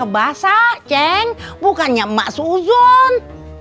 masa ceng bukannya emak suzun